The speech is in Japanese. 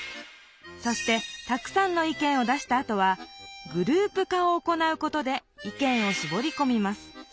そしてたくさんの意見を出したあとは「グループ化」を行うことで意見をしぼりこみます。